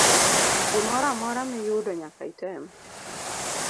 Gimoro amora miyudo nyaka item.